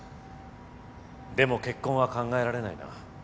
でも結婚は考えられないな。